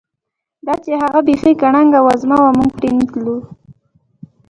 دا چې هغه بیخي ګړنګ وزمه وه، موږ پرې نه تلو.